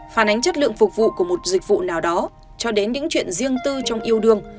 phản ánh chất lượng phục vụ của một dịch vụ nào đó cho đến những chuyện riêng tư trong yêu đương